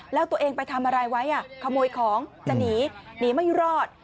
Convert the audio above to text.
แล้วตัวเองไปทำอะไรไว้ขโมยของจะหนีหนีไม่รอด